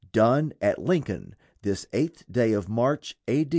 Done at Lincoln this 8th day of March, A.